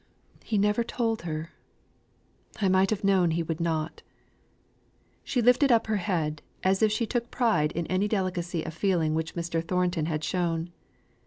He never told her: I might have known he would not!" She lifted up her head, as if she took pride in any delicacy of feeling which Mr. Thornton had shown.